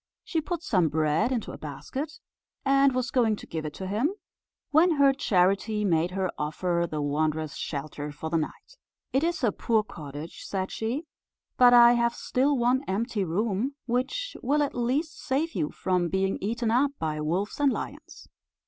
She put some bread into a basket, and was going to give it to him, when her charity made her offer the wanderers shelter for the night. "It is a poor cottage," said she; "but I have still one empty room, which will at least save you from being eaten up by wolves and lions."